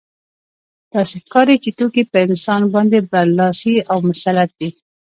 داسې ښکاري چې توکي په انسان باندې برلاسي او مسلط دي